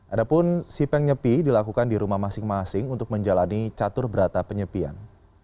adapun sipeng nyepi dilakukan di rumah masing masing untuk menjalani catur berata penyepian